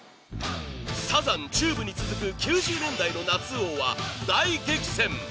サザン、ＴＵＢＥに続く９０年代の夏王は大激戦！